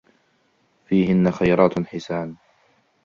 فِيهِنَّ خَيْرَاتٌ حِسَانٌ